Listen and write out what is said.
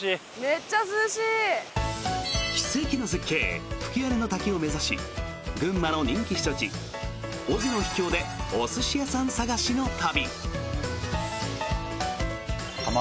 奇跡の絶景、吹割の滝を目指し群馬の人気避暑地、尾瀬の秘境でお寿司屋さん探しの旅！